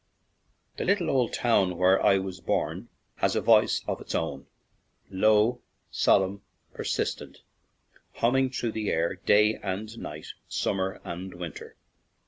" The little old town where I was born has a voice of its own,' low, solemn, persistent, humming through the air day and night, summer and winter.